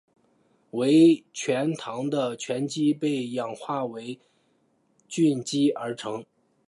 为醛糖的醛基被氧化为羧基而成。